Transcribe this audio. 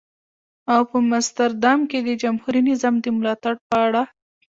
او په مستر دام کې د جمهوري نظام د ملاتړ په اړه.